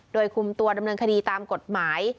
โดยคุมตัวดำเนินคดีตามกฎหมาย